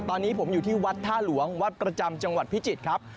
ตอนนี้ผมอยู่ที่วัดท่าหลวงวัดประจำจังหวัดพิจิตรครับ